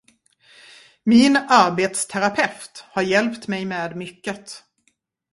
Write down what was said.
Min arbetsterapeut har hjälpt mig med mycket.